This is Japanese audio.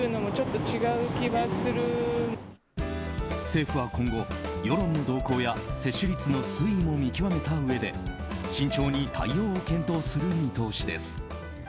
政府は今後、世論の動向や接種率の推移も見極めたうえで慎重に対応を検討する見通しです。